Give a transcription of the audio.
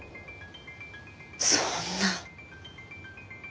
そんな。